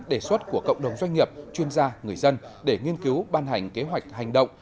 đề xuất của cộng đồng doanh nghiệp chuyên gia người dân để nghiên cứu ban hành kế hoạch hành động